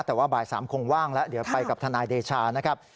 แต่ว่าบ่าย๓คงว่างแล้วเดี๋ยวไปกับทนายเดชานะครับ